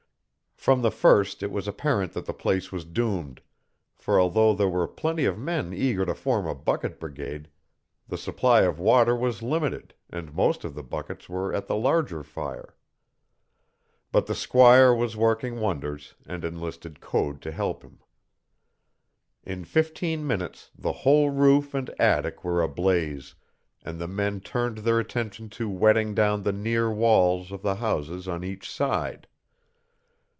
From the first it was apparent that the place was doomed, for although there were plenty of men eager to form a bucket brigade, the supply of water was limited, and most of the buckets were at the larger fire. But the squire was working wonders, and enlisted Code to help him. In fifteen minutes the whole roof and attic were ablaze, and the men turned their attention to wetting down the near walls of the houses on each side.